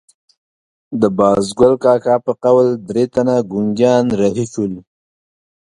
د بازګل کاکا په قول درې تنه ګونګیان رهي شول.